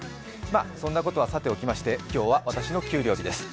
そんなことはさておきまして今日は私の給料日です。